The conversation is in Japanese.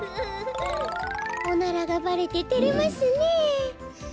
おならがばれててれますねえ。